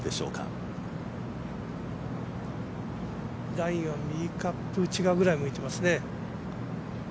ラインは右カップ内側ぐらいを向いていますね。